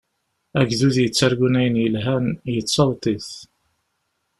Agdud yettargun ayen yelhan, yettaweḍ-it.